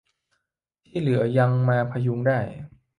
ที่เหลือยังมาพยุงได้